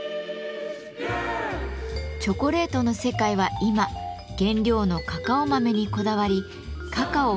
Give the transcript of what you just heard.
チョコレートの世界は今原料のカカオ豆にこだわりカカオ